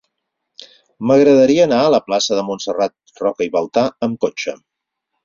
M'agradaria anar a la plaça de Montserrat Roca i Baltà amb cotxe.